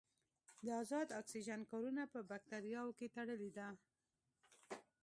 د ازاد اکسیجن کارونه په باکتریاوو کې تړلې ده.